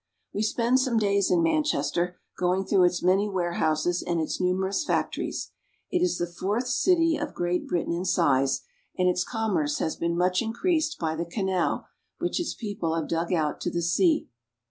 We spend some days in Manchester going through its many warehouses and its numerous factories. . It is the fourth city of Great Britain in size, and its commerce has MANUFACTURING ENGLAND. 63 been much increased by the canal which its people have dug out to the sea.